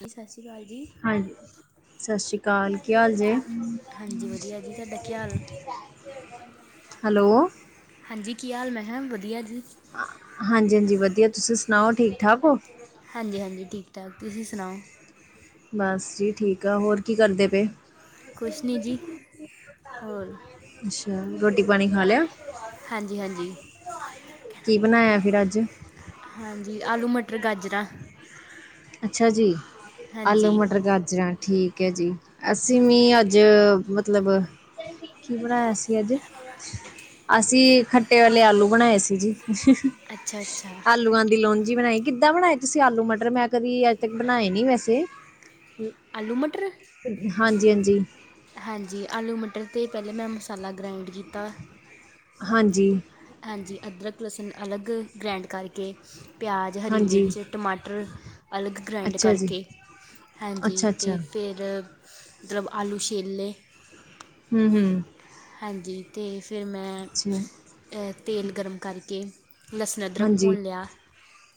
ਜੀ ਸਤਿ ਸ਼੍ਰੀ ਅਕਾਲ ਜੀ ਹਾਂਜੀ, ਸਤਿ ਸ੍ਰੀ ਅਕਾਲ। ਕੀ ਹਾਲ ਜੇ? ਹਾਂਜੀ ਵਧੀਆ ਜੀ ਤੁਹਾਡਾ ਕੀ ਹਾਲ ਹੈਲੋ ਹਾਂਜੀ ਕੀ ਹਾਲ, ਮੈ ਕਿਹਾ, ਵਧੀਆ ਜੀ ਹਾਂਜੀ -ਹਾਂਜੀ ਵਧੀਆ ਤੁਸੀਂ ਸੁਣਾਓ ਠੀਕ ਠਾਕ ਹੋ ਹਾਂਜੀ- ਹਾਂਜੀ, ਠੀਕ -ਠਾਕ ਤੁਸੀਂ ਸੁਣਾਓ? ਬਸ ਜੀ ਠੀਕ ਆ, ਹੋਰ ਕੀ ਕਰਦੇ ਪਏ? ਕੁਛ ਨਹੀਂ ਜੀ ਹੋਰ ਅੱਛਾ, ਰੋਟੀ- ਪਾਣੀ ਖਾ, ਲਿਆ? ਹਾਂਜੀ -ਹਾਂਜੀ। ਕੀ, ਬਣਾਇਆ ਫਿਰ ਅੱਜ? ਹਾਂਜੀ, ਆਲੂ, ਮਟਰ -ਗਾਜਰਾ- ਅੱਛਾ -ਜੀ, ਆਲੂ, ਹਾਂਜੀ ਮਟਰ, ਗਾਜਰਾਂ ਠੀਕ ਹੈ ਜੀ, ਅਸੀ ਨੀ ਅਜ ਮਤਲਬ ਕੀ ਬਣਾਇਆ ਸੀ, ਅੱਜ? ਅਸੀ, ਖੱਟੇ ਵਾਲੇ, ਆਲੂ ਬਣਾਏ ਸੀ ਜੀ। ਅੱਛਾ ਅੱਛਾ ਆਲੂਆਂ ਦੀ ਲੋਂਜੀ ਬਣਾਈ, ਕਿੱਦਾਂ ਬਣਾਈ ਤੁਸੀ ਆਲੂ ਮਟਰ ਮੈ? ਕਦੀ, ਅੱਜ ਤੱਕ ਬਣਾਏ ਨੀ ਵੈਸੇ- ਆਲੂ -ਮਟਰ? ਹਾਂਜੀ ਹਾਂਜੀ ਹਾਂਜੀ ਆਲੂ ਮਟਰ- ਤੇ ਮੈ ਪਹਿਲੇ ਮੈ ਮਸਾਲਾ ਗ੍ਰਾਇੰਡ ਕੀਤਾ ਹਾਂਜੀ- ਹਾਂਜੀ, ਅਦਰਕ, ਲਸਣ ਅਲਗ ਗ੍ਰੈਂਡ ਕਰਕੇ ਪਿਆਜ਼, ਹਰੀ ਹਾਂਜੀ, ਮਿਰਚ, ਟਮਾਟਰ ਅਲਗ ਗ੍ਰੈਂਡ ਅੱਛਾ ਜੀ, ਕਰਕੇ ਹਾਂਜੀ ਅੱਛਾ-ਅੱਛਾ, ਤੇ, ਫਿ ਆਲੂ ਛਿਲ ਲਏ ਹੂੰ -ਹੂੰ - ਹਾਂਜੀ, ਤੇ ਫਿਰ ਮੈ ਅੱਛਾ, ਤੇਲ ਗਰਮ ਕਰਕੇ, ਲਸਣ ਅਦਰਕ ਹਾਂਜੀ, ਭੁੰਨ ਲਿਆ-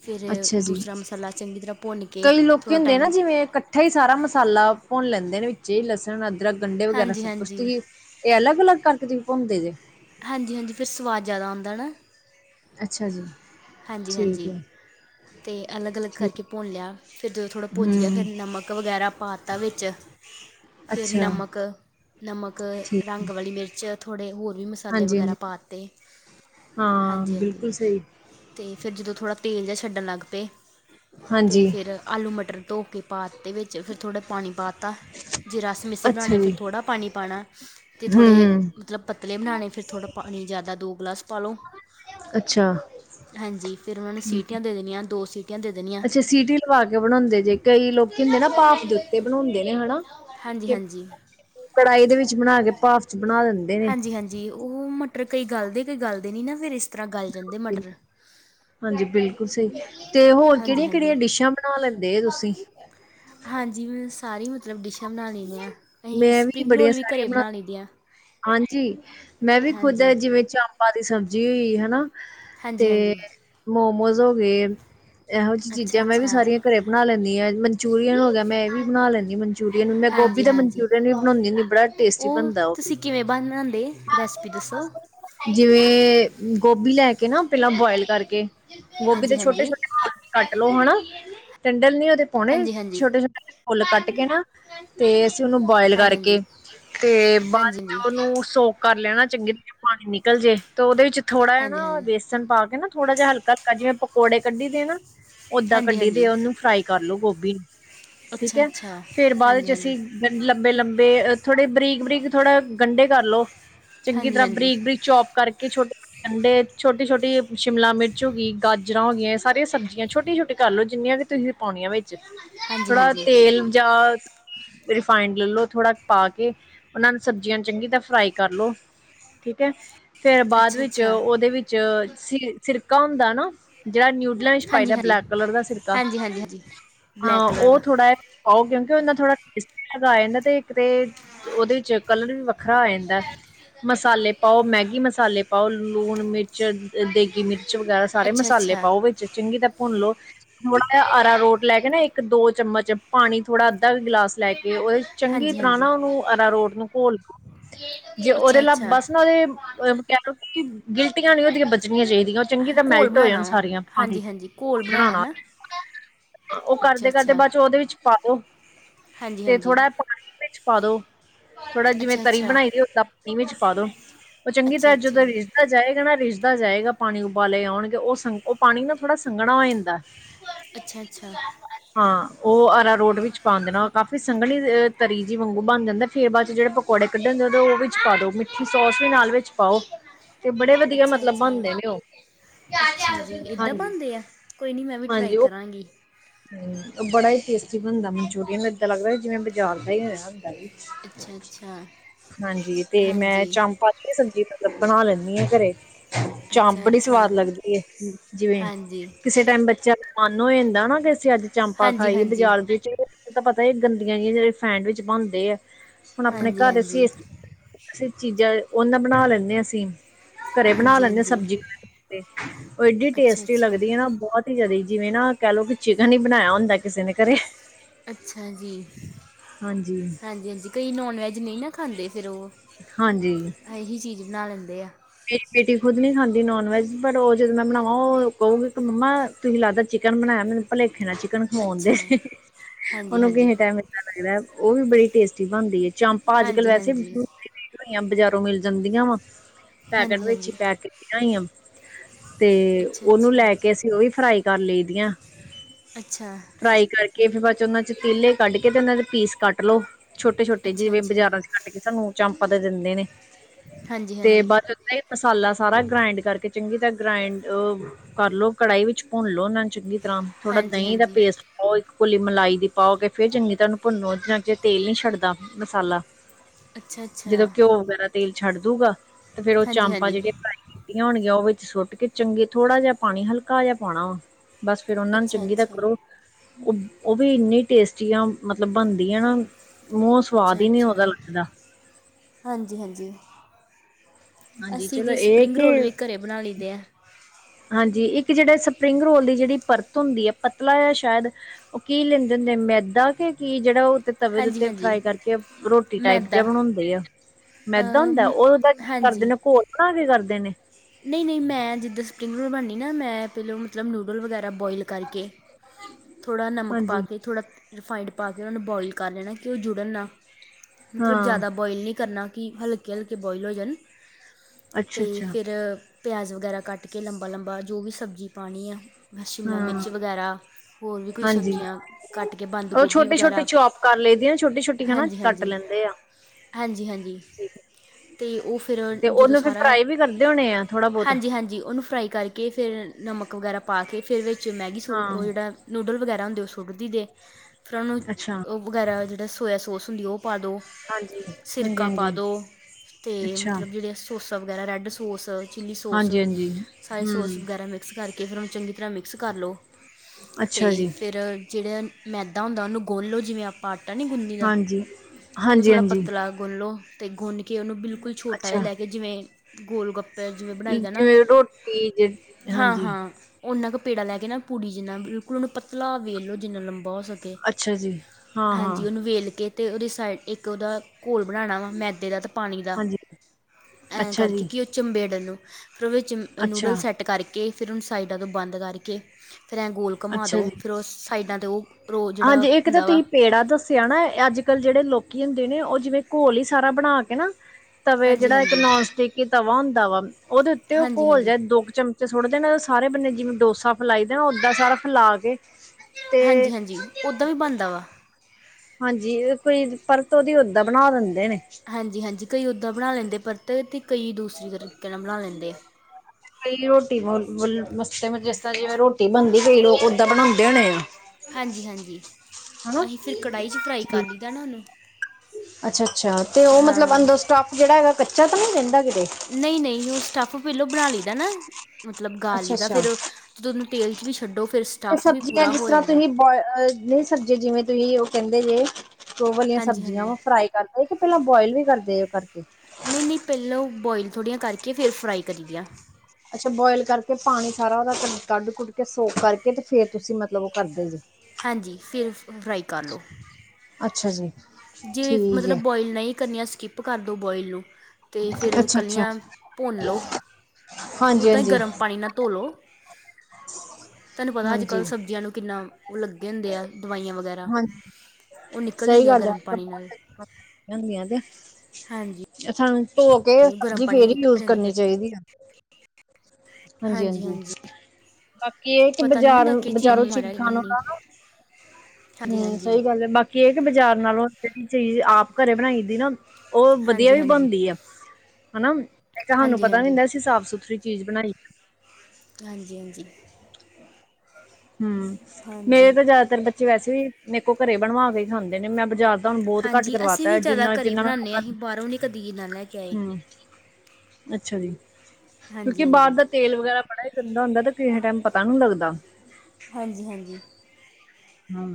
ਫਿਰ, ਅੱਛਾ ਜੀ। ਦੂਸਰਾ ਮਸਾਲਾ ਚੰਗੀ ਤਰ੍ਹਾਂ ਭੁੰਨ ਕੇ, ਕਈ ਲੋਕੀ ਥੋੜ੍ਹਾ ਹੁੰਦੇ ਨਾ ਟਾਈਮ ਜਿਵੇਂ ਇਕੱਠਾ ਹੀ ਸਾਰਾ ਮਸਾਲਾ ਭੁੰਨ ਲੈਂਦੇ ਨੇ, ਵਿਚੇ ਲਸਣ, ਅਦਰਕ, ਗੰਢੇ ਵਗੈਰਾ ਹਾਂਜੀ ਸਭ ਕੁਛ ਹਾਂਜੀ ਤੁਸੀ ਇਹ ਅਲੱਗ- ਅਲੱਗ ਕ੍ਰ ਕੇ ਤੁਸੀਂ ਭੁੰਨਦੇ ਜੇ? ਹਾਂਜੀ- ਹਾਂਜੀ, ਫਿਰ ਸਵਾਦ ਜ਼ਿਆਦਾ ਆਉੰਦਾ ਹੈ, ਨਾ- ਅੱਛਾ ਜੀ। ਹਾਂਜੀ- ਠੀਕ ਹਾਂਜੀ। ਐ। ਤੇ ਅਲੱਗ- ਅਲੱਗ ਠੀਕ, ਕਰਕੇ ਭੁੰਨ ਲਿਆ, ਫਿਰ ਜਦੋਂ ਥੋੜ੍ਹਾ ਭੁੱਜ ਗਿਆ, ਫਿਰ ਹੂੰ, ਨਮਕ ਵਗੈਰਾ ਪਾ ਤਾ ਵਿੱਚ ਫਿਰ ਅੱਛਾ, ਨਮਕ ਨਮਕ, ਠੀਕ ਐ, ਰੰਗ ਵਾਲੀ ਮਿਰਚ ਥੋੜ੍ਹੇ ਹੋਰ ਵੀ ਮਸਾਲੇ ਵਗੈਰਾ ਹਾਂਜੀ-ਹਾਂਜੀ। ਪਾ ਤੇ ਹਾਂ, ਬਿਲਕੁਲ ਸਹੀ। ਤੇ ਫਿਰ ਜਦੋਂ ਥੋੜ੍ਹਾ ਤੇਲ ਜਿਹਾ ਛੱਡਣ ਲੱਗ ਪਏ, ਤੇ ਹਾਂਜੀ, ਫਿਰ ਆਲੂ, ਮਟਰ ਧੋ ਕੇ ਪਾ ਤੇ ਵਿੱਚ ਫਿਰ ਥੋੜਾ ਪਾਣੀ ਪਾ ਤਾ, ਜੇ ਰਸ ਮਿੱਸੇ ਅੱਛਾ ਬਣਾਉਣੇ ਜੀ, ਫਿਰ ਥੋੜ੍ਹਾ ਪਾਣੀ ਪਾਣਾ। ਤੇ ਥੋੜੇ ਹੂੰ-ਹੂੰ, ਮਤਲਬ, ਪਤਲੇ ਬਣਾਉਣੇ, ਫਿਰ ਥੋੜਾ ਪਾਣੀ ਜ਼ਿਆਦਾ ਦੋ ਗਲਾਸ ਪਾਲੋ ਅੱਛਾ। ਹਾਂਜੀ ਫੇਰ ਉਹਨਾਂ ਨੂੰ ਸੀਟੀਆਂ ਦੇ ਦੇਣੀਆਂ ਦੋ ਸੀਟ ਅਛਾ ਸੀਟੀ ਲਵਾ ਕੇ ਬਣਾਉਦੇ ਜੇ ਕਈ ਲੋਕ ਹੁੰਦੇ ਨਾ ਭਾਫ਼ ਦੇ ਉਤੇ ਬਣਾਉਦੇ ਨੇ ਹਨਾ। ਹਾਂਜੀ ਕਿ -ਹਾਂਜੀ ਕੜਾਹੀ ਦੇ ਵਿਚ ਬਣਾ ਕੇ ਭਾਫ 'ਚ ਬਣਾ ਦਿੰਦੇ। ਨੇ। ਹਾਂਜੀ- ਹਾਂਜੀ ਉਹ ਮਟਰ ਕਈ ਗਲਦੇ ਕਈ ਗੱਲਦੇ ਨਹੀਂ ਨਾ ਫਿਰ ਇਸ ਤਰ੍ਹਾਂ ਗਲ ਜਾਂਦੇ ਮਟਰ ਹਾਂਜੀ ਬਿਲਕੁਲ ਸਹੀ ਤੇ ਹੋਰ ਹਾਂਜੀ ਕਿਹੜੀਆਂ- ਹਾਂਜੀ ਕਿਹੜੀਆਂ ਡਿਸ਼ਾਂ ਬਣਾ ਲੈਂਦੇ ਤੁਸੀਂ ਹਾਂਜੀ ਮੈਂ ਸਾਰੀ ਮਤਲਬ ਡਿਸ਼ਾਂ ਬਣਾ ਲੈਂਣੀਆ ਅਹੀਂ ਮੈਂ ਸਪਰਿੰਗ ਬੜੀਆਂ ਰੋਲ ਵੀ ਘਰੇ ਸਾਰੀਆਂ ਬਣਾ ਲਈਦੀ ਆ। ਹਾਂਜੀ ਮੈਂ ਵੀ ਖੁਦ ਹਾਂਜੀ ਜਿਵੇਂ ਚਾਮਪਾਂ ਦੀ ਸਬਜ਼ੀ ਹੋਈ ਹਨਾ। ਤੇ ਹਾਂਜੀ ਹਾਂਜੀ ਮੋਮੋਸ ਹੋ ਗਏ। ਇਹੋ ਜਿਹੀ ਅੱਛਾ ਚੀਜ਼ਾਂ ਮੈਂ ਵੀ ਅੱਛਾ ਸਾਰੀਆਂ ਘਰੇ ਬਣਾ ਲੈਂਦੀ ਹਾਂ ਮਨਚੂਰੀਅਨ ਹੋ ਗਿਆ ਮੈਂ ਇਹ ਵੀ ਬਣਾ ਲੈਂਦੀ ਹ ਮਨਚੂਰੀ ਨੂੰ ਮੈਂ ਗੋਭੀ ਹਾਂਜੀ ਦਾ ਹਾਂਜੀ ਮਨਚੂਰੀਅਨ ਹੀ ਬਣਾਉਦੀ ਹੁੰਦੀ ਬੜਾ ਟੇਸਟੀ ਬਣਦਾ ਉਹ ਤੁਸੀਂ ਕਿਵੇਂ ਬਣਾਉਂਦੇ ਰੈਸਪੀ ਦੱਸੋ ਜਿਵੇਂ ਗੋਭੀ ਲੈ ਕੇ ਨਾ ਪਹਿਲਾਂ ਬੋਆਇਲ ਕਰਕੇ ਗੋਭੀ ਹਾਂਜੀ ਦੇ ਛੋਟੇ- ਹਾਂਜੀ ਛੋਟੇ ਕੱਟ ਲਓ ਹਨਾ ਟੰਡਲ ਨੀ ਉਹਦੇ ਪਾਉਣੇ ਹਾਂਜੀ ਹਾਂਜੀ ਛੋਟੇ- ਛੋਟੇ ਫੁੱਲ ਕੱਟ ਕੇ ਨਾ ਤੇ ਅਸੀਂ ਉਹਨੂੰ ਬੋਆਇਲ ਹਾਂਜੀ ਕਰਕੇ ਹਾਂਜੀ ਤੇ ਬਾਅਦ ਹਾਂਜੀ 'ਚ ਉਹਨੂੰ ਸੋਕ ਕਰ ਲੈਣਾ ਚੰਗੀ ਤਰਾ ਪਾਣੀ ਨਿਕ ਨਿਕਲ ਜੇ ਤੇ ਉਹਦੇ ਵਿੱਚ ਥੋੜਾ ਹੈ ਹਾਂਜੀ ਨਾ ਬੇਸ ਸਨ ਪਾ ਕੇ ਨਾ ਥੋੜਾ ਜਿਹਾ ਹਲਕਾ ਹਲੱਕਾ ਜਿਵੇਂ ਪਕੌੜੇ ਕੱਢੀ ਦੇ ਨਾ ਓਦਾਂ ਹਾਂਜੀ ਹਾਂਜੀ ਕੱਢੀ ਦੇ ਹਾਂਜੀ ਉਹਨੂੰ ਫਰਾਈ ਕਰਲੋ ਗੋਭੀ ਅੱਛਾ ਠੀਕ ਹੈ -ਅੱਛਾ ਫੇਰ ਬਾਅਦ ਹਾਂਜੀ ਵਿੱਚ ਹਾਂਜੀ ਅਸੀਂ ਗੰ ਲੰਬੇ ਲੰਬੇ ਥੋੜੇ ਬਰੀਕ ਬਰੀਕ ਥੋੜਾ ਗੰਢੇ ਕਰ ਲਉ। ਚੰਗੀ ਹਾਂਜੀ ਤਰ੍ਹਾਂ ਹਾਂਜੀ ਬਰੀਕ -ਬਰੀਕ ਚੋਪ ਕਰਕੇ ਛੋਟੇ ਠੰਡੇ ਛੋਟੀ- ਛੋਟੀ ਸ਼ਿਮਲਾ ਮਿਰਚ ਹੋ ਗਈ ਗਾਜਰ ਗਜਰਾਂ ਹੋ ਗਈਆਂ ਸਾਰੀਆਂ ਸਬਜ਼ੀਆਂ ਛੋਟੀ- ਛੋਟੀ ਕਰ ਲਓ ਜਿੰਨੀਆਂ ਵੀ ਤੁਸੀਂ ਪਾਉਣੀਆਂ ਵਿੱਚ ਹਾਂਜੀ ਥੋੜ੍ਹਾ ਹਾਂਜੀ ਤੇਲ [unintelligible] ਰਿਫਾਈੰਡ ਲੈ ਲੋ ਥੋੜਾ ਪਾ ਕੇ ਉਹਨਾ ਨੂੰ ਸਬਜ਼ੀਆਂ ਚੰਗੀ ਤਰ੍ਹਾਂ ਫਰਾਈ ਕਰ ਲੋ। ਠੀਕ ਏ। ਫੇਰ ਬਾਅਦ ਅੱਛਾ ਵਿੱਚ ਅੱਛਾ ਉਹਦੇ ਵਿੱਚ ਸਿਰਕਾ ਹੁੰਦਾ ਨਾ ਜਿਹੜਾ ਨਿਊ ਆਂ ਵਿੱਚ ਪਾਈਦਾ ਹਾਂਜੀ ਹਾਂਜੀ ਬਲੈਕ ਕਲਰ ਦਾ ਸਿਰਕਾ ਹਾਂਜੀ ਹਾਂਜੀ ਹਾਂਜੀ ਹਾਂ ਬਲੈਕ ਕਲਰ ਉਹ ਦਾ ਥੋੜਾ ਓ ਕਿਹੰਦੇ ਉਨਾ ਥੋੜਾ ਟਸ ਹੈਗਾ ਇਹਦਾ ਤੇ ਇੱਕ ਤੇ ਉਹਦੇ 'ਚ ਕਲਰ ਵੀ ਵੱਖਰਾ ਆ ਜਾਂਦਾ। ਮਸਾਲੇ ਪਾਓ ਮੈਗੀ ਮਸਾਲੇ ਪਾਓ ਲੂਣ ਮਿਰਚ ਦੇਗੀ ਮਿਰਚ ਵਗੈਰਾ ਸਾਰੇ ਅੱਛਾ ਮਸਾਲੇ ਅੱਛਾ ਪਾਓ ਵਿੱਚ ਚੰਗੀ ਤਰਾਂ ਭੁੰਨ ਲੋ ਥੋੜਾ ਜਿਹਾ ਅਰਾਰੋਟ ਲੈ ਕੇ ਨਾ ਇੱਕ ਦੋ ਚਮਚ ਪਾਣੀ ਥੋੜਾ ਅੱਧਾ ਗਿਲਾਸ ਲੈ ਕੇ ਉਹਦੇ ਚੰਗੀ ਹਾਂਜੀ ਤਰ੍ਹਾਂ ਹਾਂਜੀ ਨਾ ਉਹਨੂੰ ਅਰਾਰੋਟ ਨੂੰ ਘੋਲ ਜੇ ਅੱਛਾ ਉਹਦੇ ਲ ਅੱਛਾ ਬਸ ਨਾਲ ਉਹਦੇ ਕਹਿ ਲੋ ਗਿਲਟੀਆਂ ਨਹੀਂ ਉਹਦੀਆਂ ਬਜਣੀਆਂ ਚਾਹੀਦੀਆਂ। ਚੰਗੀ ਆਹ ਤਰਾਂ ਘੋਲ ਮੈਲਟ ਹੋ ਬਣਾਉਣਾ ਜਾਣ ਵਾ ਸਾਰੀਆਂ ਪਾਣੀ ਹਾਂਜੀ ਹਾਂਜੀ ਘੋਲ ਹੈ ਬਣਾਉਣਾ ਨਾ ਉਹ ਅੱਛਾ ਕਰਦੇ -ਕਰਦੇ ਅੱਛਾ ਬਾਅਦ ਚੋਂ ਉਹਦੇ ਵਿੱਚ ਪਾ ਦੋ ਹਾਂਜੀ ਤੇ ਹਾਂਜੀ ਥੋੜਾ ਪਾਣੀ ਵਿੱਚ ਪਾ ਦੋ ਥੋੜਾ ਜਿਵੇਂ ਅੱਛਾ ਤਰੀ ਅੱਛਾ ਬਣਾਈ ਦੀ ਓਦਾਂ ਪਾਣੀ ਵਿੱਚ ਪਾ ਦੋ ਉਹ ਚੰਗੀ ਅੱਛਾ ਤਰ੍ਹਾਂ ਜਦ ਅੱਛਾ ਜੀ ਦਾ ਜਾਏਗਾ ਨਾ ਰਿੱਝਦਾ ਜਾਏਗਾ ਪਾਣੀ ਉਬਾਲੇ ਆਉਣਗੇ ਉਹ ਸੰ ਉਹ ਪਾਣੀ ਨਾ ਥੋੜ੍ਹਾ ਸੰਘਣਾ ਹੋ ਜਾਂਦਾ। ਅੱਛਾ- ਅੱਛਾ ਹਾਂ ਉਹ ਅਰਾ ਰੋਟ ਵਿੱਚ ਪਾ ਦੇਣਾ ਕਾਫੀ ਸੰਘਨੀ ਤਰੀ ਜਹੀ ਵਾਂਗੂ ਬਣ ਜਾਂਦਾ ਫੇਰ ਬਾਅਦ 'ਚ ਜਿਹੜੇ ਪਕੌੜੇ ਕੱਢਣ ਦੇ ਉਹ ਉਹ ਵਿੱਚ ਪਾ ਦਉ ਮ ਸੋਸ ਵੀ ਨਾਲ ਵਿੱਚ ਪਾਓ ਤੇ ਬੜੇ ਵਧੀਆ ਅੱਛਾ ਮਤਲਬ ਅੱਛਾ ਬਣਦੇ ਨੇ ਉਹ ਅੱਛਾ ਜੀ ਇੱਦਾਂ ਹਾਂਜੀ ਬਣਦੇ ਆ ਕੋਈ ਨਹੀਂ ਮੈਂ ਵੀ ਟਰਾਈ ਕਰਾਂਗੀ। ਹੂੰ ਬੜਾ ਹੀ ਟੇਸਟੀ ਬਣਦਾ ਮਨਚੂਰੀਅਨ ਏਦਾਂ ਲੱਗਦਾ ਜਿਵੇਂ ਬਾਜ਼ਾਰ ਦਾ ਹੀ ਹੋਇਆ ਹੁੰਦਾ। ਅੱਛਾ ਅੱਛਾ ਹਾਂਜੀ ਤੇ ਮੈਂ ਹਾਂਜੀ ਚੰਪਾ ਸਬਜ਼ੀ ਮਤਲਬ ਬਣਾ ਲੈਂਣੀ ਆਂ ਘਰੇ ਚਾਪਮ ਅੱਛਾ ਬੜੀ ਅੱਛਾ ਸਵਾਦ ਲੱਗਦੀ ਜਿਵੇਂ ਹਾਂਜੀ ਕਿਸੇ ਟਾਈਮ ਬੱਚਾ ਮਨ ਹੋ ਜਾਂਦਾ ਨਾ ਕਿ ਅਸੀਂ ਅੱਜ ਚਾਮਪਾ ਹਾਂਜੀ ਖਾਈਏ ਹਾਂਜੀ ਬਾਜ਼ਾਰ ਦੇ ਇਹ ਤਾਂ ਪਤਾ ਗੰਦੀਆਂ ਜਿਹੀਆਂ ਜਿਹੜੇ ਸੈਂਡਵਿੱਚ ਬਣਦੇ ਆ, ਹੁਣ ਆਪਣੇ ਹਾਂਜੀ ਘਰ ਦੇ ਹਾਂਜੀ ਸੀ ਸੀ ਚੀਜ਼ਾਂ ਉਹ ਨਾਲ ਬਣਾ ਲੈਂਦੇ ਹਾਂ ਅਸੀਂ। ਘਰੇ ਬਣਾ ਹਾਂਜੀ ਲੈਂਦੇ ਹਾਂਜੀ ਸਬਜ਼ੀ, ਉਹ ਏਡੀ ਅੱਛਾ ਟੇਸਟੀ ਅੱਛਾ ਲੱਗਦੀ ਐ ਨਾ ਬਹੁਤ ਕਦੇ ਜਿਵੇਂ ਨਾ ਕਹਿ ਲੋ ਕਿ ਚਿਕਨ ਹੀ ਬਣਾਇਆ ਹੁੰਦਾ ਕਿਸੇ ਨੇ ਘਰੇ। ਅੱਛਾ ਜੀ ਹਾਂਜੀ, ਹਾਂਜੀ -ਹਾਂਜੀ ਕਈ ਨੋਨ ਵੈਜ ਨਹੀਂ ਨਾ ਖਾਂਦੇ ਫਿਰ ਉਹ ਹਾਂਜੀ। ਇਹੀ ਚੀਜ਼ ਬਣਾ ਲੈਂਦੇ ਆ। ਮੇਰੀ ਬੇਟੀ ਖੁਦ ਨੀ ਖਾਂਦੀ ਨੋਨ ਵੈਜ ਪਰ ਉਹ ਜਦੋਂ ਮੈਂ ਬਣਾਵਾ ਉਹ ਕਹੂਗੀ ਕਿ ਮੰਮਾ ਤੁਸੀਂ ਲੱਗਦਾ ਚਿਕਨ ਬਣਾਇਆ ਮੈਨੂੰ ਭਲੇਖੇ ਨਾਲ ਚਿਕਨ ਖਵਾਉਣ ਦੇ, ਅੱਛਾ ਹਾਂਜੀ ਉਹਨੂੰ ਹਾਂਜੀ ਕਿਸੇ ਟਾਈਮ ਲੱਗਦਾ ਉਹ ਵੀ ਬੜੀ ਟੇਸਟੀ ਬਣਦੀ ਐ, ਚਾਮਪਾ ਅੱਜ ਕੱਲ ਹਾਂਜੀ ਵੈਸੇ ਹਾਂਜੀ ਈਆਂ ਬਜ਼ਾਰੋਂ ਮਿਲ ਜਾਂਦੀਆਂ ਵਾ, ਪੈਕਟ ਹਾਂਜੀ ਵਿੱਚ ਹੀ ਹਾਂਜੀ ਪੈਕ ਕੀਤੀਆਂ ਹੋਈਆਂ। ਤੇ ਅੱਛਾ ਉਹਨੂੰ ਅੱਛਾ ਲੈ ਕੇ ਅਸੀਂ ਉਹ ਵੀ ਫਰਾਈ ਕਰ ਲਈ ਦੀਆਂ, ਅੱਛਾ ਫਰਾਈ ਕਰਕੇ ਕੇ ਫੇ ਰ ਬਾਦ ਚੋਂ ਉਹਨਾਂ ਚ ਤੀਲੇ ਕੱਢ ਕੇ ਤੇ ਉਹਨਾਂ ਦੇ ਪੀਸ ਕੱਟ ਲੋ, ਛੋਟੇ-ਛੋਟੇ ਅੱਛਾ ਜਿਵੇਂ ਅੱਛਾ ਬਾਜ਼ਾਰਾਂ ਚ ਕੱਟ ਕੇ ਸਾਨੂੰ ਚੰਪ ਦੇ ਦਿੰਦੇ ਨੇ, ਹਾਂਜੀ ਤੇ ਹਾਂਜੀ ਬਾਦ ਚ ਇਹ ਮਸਾਲਾ ਸਾਰਾ ਗ੍ਰਾਇੰਡ ਕਰਕੇ ਚੰਗੀ ਤਰ੍ਹਾਂ ਗ੍ਰਾਇੰਡ ਅ ਕਰਲੋ ਕੜਾਹੀ ਵਿੱਚ ਭੁੰਨ ਲੋਓ ਉਹਨਾਂ ਨੂੰ ਚੰਗੀ ਤਰ੍ਹਾਂ ਥੋੜਾ ਹਾਂਜੀ ਦਹੀਂ ਦਾ ਹਾਂਜੀ ਪੇਸਟ ਪਾਓ ਇੱਕ ਕੋਲੀ ਮਲਾਈ ਦੀ ਪਾਓ ਕੇ ਫੇਰ ਜੰਗੀ ਤੁਹਾਨੂੰ ਪੁੰਨੋ ਤੇਲ ਨੀ ਛੱਡਦਾ। ਮਸਾਲਾ, ਅੱਛਾ ਜਦੋਂ ਅੱਛਾ ਘਿਓ ਵਗੈਰਾ ਤੇਲ ਛੱਡ ਦੂਗਾ ਤੇ ਫੇਰ ਉਹ ਹਾਂਜੀ ਚਾਮਪਾਂ ਹਾਂਜੀ ਜਿਹੜੀਆਂ ਫਰਾਈ ਕੀਤੀਆਂ ਹੋਣਗੀਆਂ ਉਹ ਵਿੱਚ ਸੁੱਟ ਕੇ ਚੰਗੇ ਥੋੜਾ ਜਿਹਾ ਪਾਣੀ ਹਲਕਾ ਜਿਹਾ ਪਾਣਾ। ਬਸ ਫੇਰ ਉਹਨਾ ਨੂੰ ਅੱਛਾ ਚੰਗੀ ਤਰ੍ਹਾਂ ਅੱਛਾ ਕਰੋ। ਉਹ ਉਹ ਵੀ ਇੰਨੀ ਟੇਸਟੀ ਆ ਮਤਲਬ ਬਣਦੀ ਆ ਨਾ। ਮੂੰਹ ਸਵਾਦ ਹੀ ਨੀ ਅੱਛਾ-ਅੱਛਾ, ਉਹਦਾ ਲੱਗਦਾ ਹਾਂਜੀ-ਹਾਂਜੀ। ਹਾਂਜੀ ਅਸੀਂ ਚਲੋ ਤੇ ਇਹ ਸਪਰਿੰਗ ਰੋਲ ਵੀ ਕਿ ਘਰੇ ਬਣਾ ਲਈਦੇ ਹ। ਹਾਂਜੀ, ਇੱਕ ਜਿਹੜਾ ਸਪਰਿੰਗ ਰੋਲ ਦੀ ਜਿਹੜੀ ਪਰਤ ਹੁੰਦੀ ਐ ਪਤਲਾ ਜਾ ਸ਼ਾਇਦ ਉਹ ਕੀ ਲੈਂਦੇ ਹੁੰਦੇ ਮੈਦਾ ਕੇ ਕੀ ਜਿਹੜਾ ਉਹ ਤਵੇ ਦੇ ਹਾਂਜੀ ਉੱਤੇ ਹਾਂਜੀ ਫਰਾਈ ਕਰਕੇ ਰੋਟੀ ਟਾਈਪ ਮੈਦਾ ਜਿਹਾ ਬਣਾਉਂਦੇ ਆ। ਮੈਦਾ ਹੁੰਦਾ, ਅਮ, ਉਹਦਾ ਕੀ ਕਰਦੇ ਹਾਂਜੀ ਨੇ ਕੋਲ ਬਣਾ ਕੇ ਕਰਦੇ ਨੇ? ਨਹੀਂ ਨਹੀਂ ਮੈਂ ਜਿੱਦਾਂ ਸਕਿੰਨ ਰੋਲ ਬਣਨੀ ਨਾ ਮੈਂ ਪਹਿਲਾਂ ਮਤਲਬ ਨੂਡਲ ਵਗੈਰਾ ਬੋਇਲ ਕਰ ਕਰਕੇ ਥੋੜ੍ਹਾ ਨਮਕ ਪਾ ਹਾਂਜੀ ਕੇ। ਥੋੜ੍ਹਾ ਰਿਫਾਈੰਡ ਪਾ ਕੇ ਉਹਨਾਂ ਨੂੰ ਬੁਆਇਲ ਕਰ ਲੈਣਾ ਕਿ ਓ ਜੁੜਨ ਨਾ। ਮਤਲਬ ਹਾਂ ਜ਼ਦਾ ਬੋਈਲ ਨਹੀਂ ਕਰਨਾ ਕਿ ਹਲਕੇ ਹਲਕੇ ਬੋਈਲ ਹੋ ਜਾਣ। ਅੱਛਾ ਤੇ ਅੱਛਾ ਫੇਰ ਪਿਆਜ਼ ਵਗੈਰਾ ਕੱਟ ਕੇ ਲੰਬਾ ਲੰਬਾ ਜੋ ਵੀ ਸਬਜ਼ੀ ਪਾਣੀ ਆ। ਬਸ ਸ਼ਿਮਲਾ ਹਾਂ ਮਿਰਚ ਵਗੈਰਾ ਹੋਰ ਵੀ ਕੋਈ ਸਬਜ਼ੀਆਂ ਕੱਟ ਕੇ ਬੰਦ ਗੋਭੀ ਵਗੈਰਾ। ਟੀ ਚੋਪ ਕਰ ਲਯੀ ਦੀ ਆ ਛੋਟੀ ਛੋਟੀ ਹੇਨਾ ਕੱਟ ਲੈਂਦੇ ਆ। ਹਾਂਜੀ-ਹਾਂਜੀ। ਠੀਕ ਹੈ, ਤੇ ਉਹ ਫੇਰ ਤੇ ਜਦੋਂ ਉਹਨੂੰ ਫਿਰ ਸਾਰਾ, ਫਰਾਈ ਵੀ ਕਰਦੇ ਹੋਣੇ ਆ ਥੋੜਾ ਬਹੁਤ ਹਾਂਜੀ। ਹਾਂਜੀ, ਉਹਨੂੰ ਫਰਾਈ ਕਰਕੇ ਫੇਰ ਨਮਕ ਵਗੈਰਾ ਪਾ ਕੇ ਫੇਰ ਵਿੱਚ ਮੈਗੀ ਸੂ ਹਾਂ ਉਹ ਜਿਹੜਾ ਨੁਡਲ ਵਗੈਰਾ ਹੁੰਦੇ ਉਹ ਸੁੱਟਦੀ ਦੇ ਫੇਰ ਉਹਨੂੰ ਅੱਛਾ ਉਹ ਵਗੈਰਾ ਜਿਹੜਾ ਸੋਇਆ ਸੋਸ ਹੁੰਦੀ ਉਹ ਪਾ ਦੋ। ਹਾਂਜੀ ਹਾਂਜੀ ਸਿਰਕਾ ਪਾ ਹਾਂਜੀ ਦੋ, ਤੇ ਅੱਛਾ ਮਤਲਬ ਜਿਹੜੀਆਂ ਸੋਸਾ ਵਗੈਰਾ ਰੈੱਡ ਸੋਸ ਚਿੱਲੀ ਸੋਸ ਹਾਂਜੀ ਹਾਂਜੀ ਸਾਰੇ ਸੋਸ ਹਮ ਵੇਗੇਰਾ ਮਿਕਸ ਕਰਕੇ ਫੇਰ ਉਹਨੂੰ ਚੰਗੀ ਤਰ੍ਹਾਂ ਮਿਕਸ ਕਰ ਲੋ ਤੇ ਅੱਛਾ ਜੀ, ਫੇਰ ਜਿਹੜੇ ਮੈਦਾ ਹੁੰਦਾ ਉਹਨੂੰ ਗੁਣ ਲੋ ਜਿਵੇਂ ਆਪਾਂ ਆਟਾ ਨੀ ਗੁਣੀ ਦਾ ਹਾਂਜੀ, ਉਹਨੂੰ ਥੋੜ੍ਹਾ ਹਾਂਜੀ-ਹਾਂਜੀ, ਪੱਤਲਾ ਗੁੰਨ ਲੋ, ਤੇ ਗੁੰਨ ਕੇ ਉਹਨੂੰ ਬਿਲਕੁਲ ਛੋਟਾ ਜਿਹਾ ਅੱਛਾ, ਲੈ ਕੇ ਜਿਵੇਂ ਗੋਲ ਗੱਪ ਜਿਵੇਂ ਬਣਾਈ ਦਾ ਨਾ, ਰੋਟੀ ਜ ਹਾਂਜੀ, ਹਾਂ-ਹਾਂ। ਓਨਾ ਕੁ ਪੇੜਾ ਲੈ ਕੇ ਨਾ ਪੁੜੀ ਜਿੰਨਾ ਬਿਲਕੁਲ ਉਹਨੂੰ ਪਤਲਾ ਵੇਲੋ ਜਿਨਾ ਲੰ ਬਾ ਸਕੇ, ਅੱਛਾ ਜੀ, ਹਾਂ-ਹਾਂ, ਹਾਂਜੀ ਉਹਨੂੰ ਵੇਲ ਕੇ ਤੇ ਉਹਦੀ ਸਾਈਡ ਇਕ ਉਹਦਾ ਕੋਲ ਬਣਾਣਾ ਵਾ ਮੈਦੇ ਦਾ ਤਾ ਪਾਣੀ ਦਾ ਹਾਂਜੀ, ਐ ਅੱਛਾ ਕਰ ਜੀ, ਉਹ ਚੰਬੇੜਨ ਨੂੰ ਫੇਰ ਵਿੱਚ ਨੂਡਲ ਅੱਛਾ, ਸੈੱਟ ਕਰਕੇ ਕੇ ਫਿਰ ਉਹੁੂੰ ਸਾਈਡਾਂ ਤੋਂ ਬੰਦ ਕਰਕੇ ਫੇਰ ਐਂ ਗੋਲ ਕੁਮਾ ਅੱਛਾ ਦੋ ਜੀ। ਫੇਰ ਉਹ ਸਾਈਡਾਂ ਤੋਂ ਉਹ ਰੋ ਜਿਹੜਾ ਹਾਂਜੀ ਇੱਕ ਤਾ ਹੁੰਦਾ ਵਾ ਤੁਹੀ ਪੇੜਾ ਦੱਸ [unintelligible] ਅੱਜ ਕੱਲ੍ਹ ਜਿਹੜੇ ਲੋਕੀ ਹੁੰਦੇ ਨੇ ਉਹ ਜਿਵੇਂ ਘੋਲ ਹੀ ਸਾਰਾ ਬਣਾ ਕੇ ਨਾ ਤਵੇ ਹਾਂਜੀ ਜਿਹੜਾ ਇੱਕ ਹਾਂਜੀ ਨੋਨ ਸਟਿਕੀ ਤਵਾ ਹੁੰਦਾ ਵਾ ਉਹਦੇ ਉੱਤੇ ਉਹ ਹਾਂਜੀ ਘੋਲ ਹਾਂਜੀ ਜਾ ਦੋ ਕੁ ਚਮ ਸੁੱਟਦੇ ਨੇ ਸਾਰੇ ਬੰਨੇ ਜਿਵੇਂ ਡੋਸਾ ਫੈਲਾਈ ਦੇ ਨਾ ਓਦਾਂ ਸਾਰਾ ਫੈਲਾ ਕੇ ਤੇ ਹਾਂਜੀ ਹਾਂਜੀ ਓਦਾਂ ਵੀ ਬਨਦਾ ਵਾ ਹਾਂਜੀ, ਕੋਈ ਪਰਤ ਉਹਦੀ ਓਦਾਂ ਬਣਾ ਦਿੰਦੇ ਨੇ ਹਾਂਜੀ-ਹਾਂਜੀ, ਕਈ ਉੱਦਾਂ ਬਣਾ ਲੈਂਦੇ ਪਰਤ, ਤੇ ਕਈ ਦੂਸਰੇ ਤਰੀਕੇ ਨਾਲ ਬਣਾ ਲੈਂਦੇ ਆ। ਕਈ ਰੋਟੀ [unintelligible] ਜਿਸ ਤਰ੍ਹਾਂ ਜਿਵੇਂ ਰੋਟੀ ਬਨਦੀ ਕਈ ਲੋਕ ਓਦਾਂ ਬਣਾਉਂਦੇ ਹੋਣੇ ਆ ਹਾਂਜੀ ਹਾਂਜੀ ਹਨਾ ਅਹੀ ਫਿਰ ਜੀ। ਕੜਾਹੀ ਚ ਫਰਾਈ ਕਰ ਲਈਦਾ ਉਹਨੂ ਅੱਛਾ ਅੱਛਾ ਤੇ ਉਹ ਮਤਲਬ ਅੰਦਰ ਸਟਾਫ ਜਿਹੜਾ ਹੈਗਾ ਕੱਚਾ ਤਾਂ ਨਹੀਂ ਰਹਿੰਦਾ ਕਿਤੇ ਨਹੀਂ ਨਹੀਂ ਉਹ ਸਟੱਫ ਪਹਿਲਾਂ ਬਣਾ ਲਈ ਦਾ ਨਾ ਮਤਲਬ ਗਾਲ ਅੱਛਾ ਲਈ ਦਾ ਅੱਛਾ ਫਿਰ ਉਹਨੂੰ ਤੇਲ ਵੀ ਛੱਡੋ ਫਿਰ ਤੇ ਸਟੱਫ ਵੀ ਸਬਜ਼ੀਆਂ ਪੂਰਾ ਜਿਸ ਹੋ ਤਰ੍ਹਾਂ ਜਾਂਦਾ ਤੁਹੀ ਬੋਹ ਨਹੀਂ ਸਬਜ਼ੀਆਂ ਜਿਵੇਂ ਤੁਹੀ ਓਹ ਕਹਿੰਦੇ ਜੇ ਓਹ ਵਾਲੀਆਂ ਹਾਂਜੀ ਸਬਜ਼ੀਆਂ ਹਾਂਜੀ ਵਾ ਫਰਾਈ ਕਰਦਾ ਕਿ ਪਹਿਲਾਂ ਬੋਇਲ ਵੀ ਕਰਦੇ ਆ ਉਹ ਕਰਕੇ ਨਹੀਂ ਨਹੀਂ ਪਹਿਲਾਂ ਉਹ ਬੋਆਇਲ ਥੋੜ੍ਹੀਆਂ ਕਰਕੇ ਫਿਰ ਫਰਾਈ ਕਰੀ ਦਿਆ ਅੱਛਾ ਬੋਇਲ ਕਰਕੇ ਪਾਣੀ ਸਾਰਾ ਉਹਦਾ ਕੱਢ ਕੁੱਡ ਕੇ ਸੋਕ ਕਰਕੇ ਤੇ ਫੇਰ ਤੁਸੀਂ ਮਤਲਬ ਉਹ ਕਰਦੇ ਜੇ ਹਾਂਜੀ ਫਿਰ ਫਰਾਈ ਕਰ ਲਓ ਅੱਛਾ ਜੀ ਜੇ ਠੀਕ ਹੈ ਮਤਲਬ ਬੋਇਲ ਨਹੀਂ ਕਰਨੀਆਂ ਸਕਿਪ ਕਰ ਦਓ ਬੋਆਇਲ ਨੂੰ ਤੇ ਫਿਰ ਅੱਛਾ ਅੱਛਾ ਕਲੀਆਂ ਭੁੰਨ ਲਓ ਹਾਂਜੀ ਉਹਦਾ ਹੀ ਹਾਂਜੀ ਗਰਮ ਪਾਣੀ ਨਾਲ ਧੋ ਲਓ ਤਾਨੂੰ ਪਤਾ ਹਾਂਜੀ ਅੱਜ-ਕੱਲ ਸਬਜ਼ੀਆਂ ਨੂੰ ਕਿੰਨਾ ਓ ਲੱਗੇ ਹੁੰਦੇ ਐ ਦਵਾਈਆਂ ਵਗੈਰਾ ਓ ਨਿਕਲ ਜਾਂਦੇ ਆ ਗਰਮ ਪਾਣੀ ਨਾਲ ਹਾਂਜੀ [unintelligible] ਤੋ ਕੇ ਉਹ ਗਰਮ ਸਬਜ਼ੀ ਪਾਣੀ ਫੇਰ ਨਾਲ ਈ ਨਿਕਲ ਯੂਜ ਜਾਂਦੇ ਕਰਨੀ ਫਿਰ ਚਾਹੀਦੀ। ਹਾਂਜੀ, ਹਾਂਜੀ। ਬਾਕੀ ਏ ਕਿ ਪਤਾ ਨਹੀਂ ਬਾਜ਼ਾਰ ਹੁੰਦਾ ਕਿ ਬਜ਼ਾਰੋ ਮੂੰਹ ਚੀਜ਼ ਮਾਰਿਆ ਕਿ ਖਾਨੋ ਨਹੀਂ ਨਾ‌ ਹਾਂਜੀ ਹੂੰ ਹਾਂਜੀ ਸਈ ਗੱਲ ਏ ਬਾ ਕੇਕ ਬਾਜ਼ਾਰ ਨਾਲੋਂ [unintelligible] ਜੇੜੀ ਚੀਜ਼ ਆਪ ਘਰੇ ਬਨਾਈ ਦੀ ਨਾ ਓ ਵਦੀਆ ਹਾਂਜੀ ਵੀ ਹਾਂਜੀ ਬਨਦੀ ਆ ਹਨਾ ਤੇ ਹਾਨੂੰ ਹਾਂਜੀ ਪਤਾ ਵੀ ਹਾਂਜੀ ਹੁੰਦੈ ਅਸੀ ਸਾਫ਼ ਸੁ [unintelligible] ਚੀਜ਼ ਬਨਾਈ ਹਾਂਜੀ, ਹਾਂਜੀ। ਹੂੰ ਮੇਰੇ ਹਾਂਜੀ ਤਾ ਜਾਦਾਤਰ ਬੱਚੇ ਵੈਸੇ ਵੀ ਮੇਕੋ ਘਰੇ ਬਨਵਾ ਕੇ ਹੀ ਖਾਂਦੇ ਨੇ ਮੈਂ ਬਜ਼ਾਰ ਹੁਨ ਬੋਤ ਘੱਟ ਹਾਂਜੀ ਅਸੀਂ ਕਰਵਾਤੈ ਵੀ ਜ਼ਿਆਦਾ ਘਰੇ ਜਿੰਨਾ-ਜਿੰਨਾ ਨਾ ਬਣਾਉਂਦੇ ਹਾਂ ਲੋਕਾਂ ਅਸੀਂ ਬਾਹਰੋਂ ਨਹੀਂ ਕਦੀ ਨਾ ਲੈ ਕੇ ਆਏ ਨੂੰ ਅੱਛਾ ਜੀ ਹਾਂਜੀ ਕਿਓਕਿ ਬਾਰ ਹਾਂਜੀ ਦਾ ਤੇਲ ਵਗੈਰਾ ਬੜਾ ਈ ਗੰਦਾ ਹੁੰਦਾ ਤੇ ਕਿਹੇ ਟੈਮ ਪਤਾ ਨੀ ਲੱਗਦਾ ਹਾਂਜੀ, ਹਾਂਜੀ। ਹੂੰ।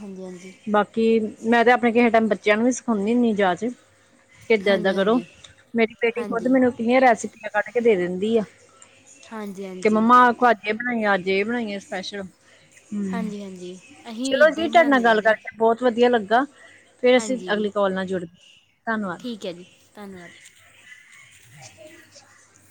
ਹਾਂਜੀ, ਹਾਂਜੀ। ਬਾਕੀ ਮੈਂ ਤੇ ਆਪਨੇ ਕਿਹੇ ਟੈਮ ਬੱਚਯਾਂ ਨੂੰ ਵੀ ਸਿਖੋਨੀ ਹੁੰਨੀ ਜਾਚ ਕਿੱਦਾਂ ਏੱਦਾ ਹਾਂਜੀ ਹਾਂਜੀ ਕਰੋ ਹਾਂਜੀ ਮੇਰੀ ਬੇਟੀ ਖੋੱਦ ਹਾਂਜੀ ਮੈਨੂੰ ਕਿੰਨੀਆ ਰੈਸਪੀਆਂ ਕੱਢ ਕੇ ਦੇ ਦਿੰਦੀ ਆ। ਤੇ ਹਾਂਜੀ ਮੰਮਾ ਆ ਵੇਖੋ ਅੱਜ ਏ ਬਨਾਈਏ ਅੱਜ ਏ ਬਨਾਈਏ ਸਪੈਸ਼ਲ। ਹਮ। ਹਾਂਜੀ, ਹਾਂਜੀ ਅਹੀਂ ਵੀ ਇੱਦਾ ਈ ਬਨਾਂਦੇ ਰੈਨੇ ਆ। ਬੋਤ ਵਦੀਆ ਲੱਗਾ ਫੇਰ ਅਸੀ ਅਗਲੀ ਕੋਲ ਨਾਲ ਜੁੜ ਤੰਨਵਾਦ। [unintelligible] ਤੰਨਵਾਦ। [inaudible]